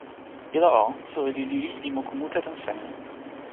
ilo o, soweli lili li moku mute tan seme?